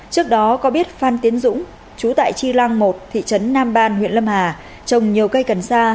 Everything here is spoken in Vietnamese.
trước đó có biết phan tiến dũng chú tại chi lăng một thị trấn nam ban huyện lâm hà trồng nhiều cây cần sa